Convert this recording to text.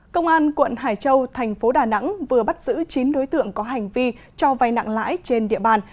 công an quận hải châu thành phố đà nẵng vừa bắt giữ chín đối tượng có hành vi cho vay nặng lãi trên địa bàn